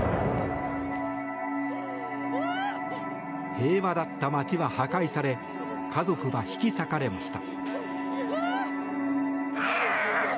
平和だった街は破壊され家族は引き裂かれました。